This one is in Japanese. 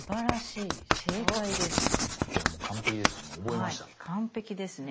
いやもう完璧ですね。